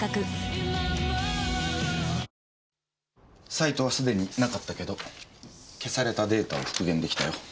サイトはすでになかったけど消されたデータを復元できたよ。